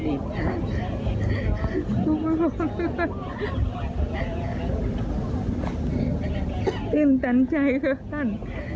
ถึงธรรมใจของท่าน